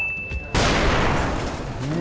ปิ้ง